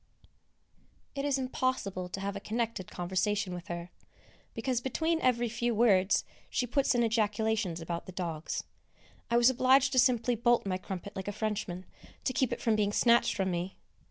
It is impossible to have a connected conversation with her, because between every few words she puts in ejaculations about the dogs. I was obliged to simply bolt my crumpet like a Frenchman, to keep it from being snatched from me.